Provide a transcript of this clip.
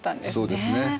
そうですね。